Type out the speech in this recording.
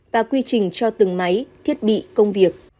và quy trình cho từng máy thiết bị công việc